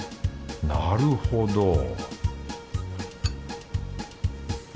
なるほど